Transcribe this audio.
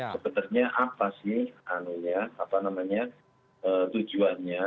sebenarnya apa sih tujuannya